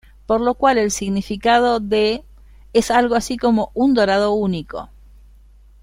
Por lo cual el significado de ذهبية es algo así como "un dorado único".